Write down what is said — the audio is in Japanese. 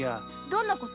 どんな事？